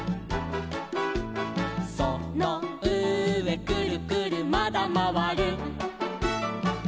「そのうえくるくるまだまわる」